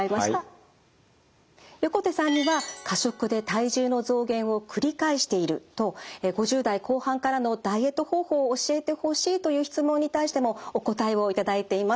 横手さんには「過食で体重の増減を繰り返している」と「５０代後半からのダイエット方法を教えて欲しい」という質問に対してもお答えを頂いています。